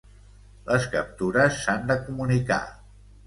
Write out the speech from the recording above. Les captures s'han de comunicar.